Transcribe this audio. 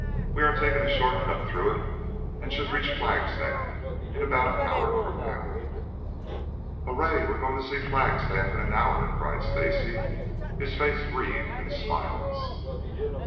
We are taking a short cut through it and should reach Flagstaff in about an hour from now." "Hurrah! We're going to see the Flagstaff in an hour," cried Stacy, his face wreathed in smiles.